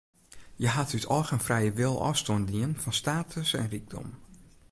Hja hat út eigen frije wil ôfstân dien fan status en rykdom.